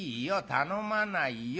頼まないよ。